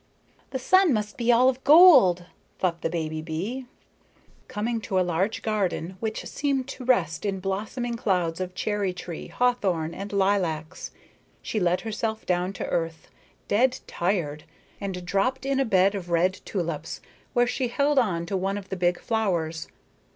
"The sun must be all of gold," thought the baby bee. Coming to a large garden, which seemed to rest in blossoming clouds of cherry tree, hawthorn, and lilacs, she let herself down to earth, dead tired, and dropped in a bed of red tulips, where she held on to one of the big flowers.